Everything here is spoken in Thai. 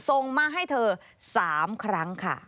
ส่งมาให้เธอ๓ครั้งค่ะ